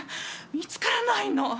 見つからないの！